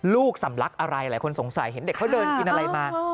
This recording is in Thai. ลูกสำลักอะไรหลายคนสงสัยเห็นเด็กเขาเดินกินอะไรมา